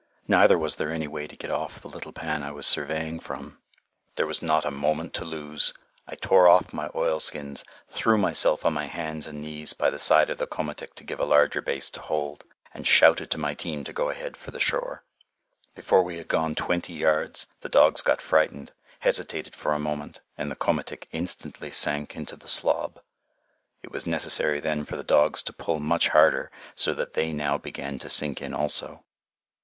Neither was there any way to get off the little pan I was surveying from. There was not a moment to lose. I tore off my oilskins, threw myself on my hands and knees by the side of the komatik to give a larger base to hold, and shouted to my team to go ahead for the shore. Before we had gone twenty yards, the dogs got frightened, hesitated for a moment, and the komatik instantly sank into the slob. It was necessary then for the dogs to pull much harder, so that they now began to sink in also.